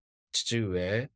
父上。